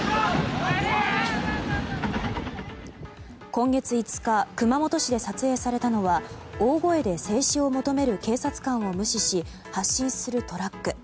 今月５日熊本市で撮影されたのは大声で制止を求める警察官を無視し発進するトラック。